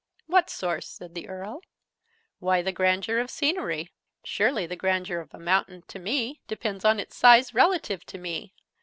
"What source?" said the Earl. "Why, the grandeur of scenery! Surely the grandeur of a mountain, to me, depends on its size, relative to me?